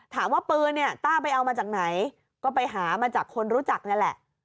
ถามว่าปืนเนี่ยต้าไปเอามาจากไหนก็ไปหามาจากคนรู้จักนั่นแหละ